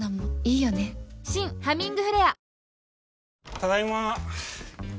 ただいま。